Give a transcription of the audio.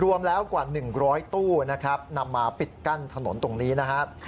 รวมแล้วกว่า๑๐๐ตู้นะครับนำมาปิดกั้นถนนตรงนี้นะครับ